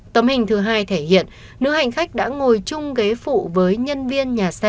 tấm hình thứ hai thể hiện nữ hành khách đã ngồi chung ghế phụ với nhân viên nhà xe